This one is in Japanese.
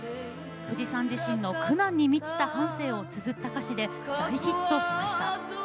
藤さん自身の苦難に満ちた半生をつづった歌詞で大ヒットしました。